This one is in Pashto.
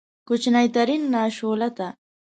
کوچنۍ کاترین، ناشولته!